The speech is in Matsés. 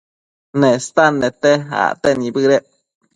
Nestan nete acte nibëdec